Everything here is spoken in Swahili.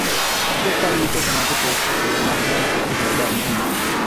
soka lilichezewa na watoto na vijana kote Zanzibar mjini